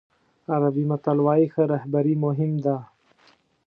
عربي متل وایي ښه رهبري مهم ده.